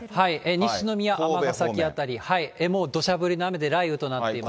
西宮、尼崎辺り、もうどしゃ降りの雨で、雷雨となっています。